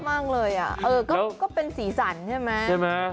มากเลยอ่ะเออก็เป็นสีสันใช่ไหมใช่ไหม